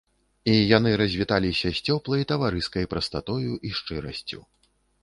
І яны развіталіся з цёплай таварыскай прастатой і шчырасцю.